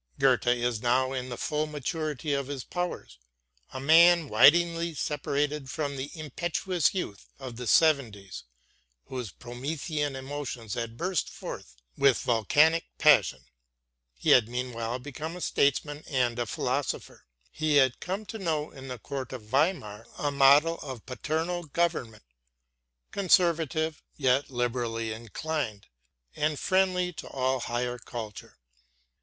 Goethe was now in the full maturity of his powers, a man widely separated from the impetuous youth of the seventies whose Promethean emotions had burst forth with volcanic passion. He had meanwhile become a statesman and a philosopher. He had come to know in the court of Weimar a model of paternal government, conservative yet liberally inclined, and friendly to all higher culture.